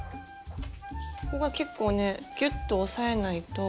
ここが結構ねギュッと押さえないと。